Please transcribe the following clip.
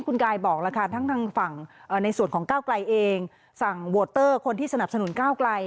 คุณกายบอกแล้วค่ะทั้งทางฝั่งในส่วนของก้าวไกลเองสั่งโวเตอร์คนที่สนับสนุนก้าวไกล